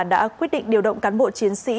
đã quyết định điều động cán bộ chiến sĩ